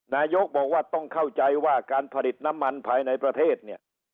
นายกบอกว่าต้องเข้าใจว่าการผลิตน้ำมันภายในประเทศเนี่ย